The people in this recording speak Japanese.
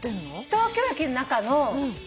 東京駅の中の。